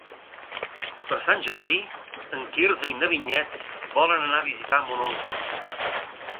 Per Sant Jordi en Quirze i na Vinyet volen anar a visitar mon oncle.